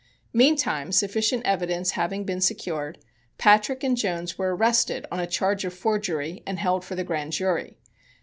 Meantime sufficient evidence having been secured, Patrick and Jones were arrested on a charge of forgery and held for the Grand Jury.